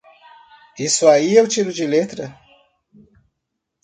Isso aí eu tiro de letra!